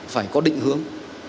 phải có định hướng